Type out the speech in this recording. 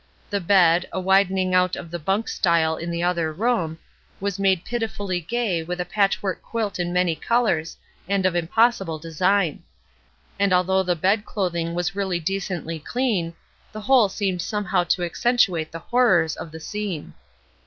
The bed, a widening out of the bxmk style in the other room, was made pitifully gay with a patchwork quilt in many colors, and of impossible design; and although the bed clothing was really decently clean, the whole seemed somehow to accentuate the horrors of the scene.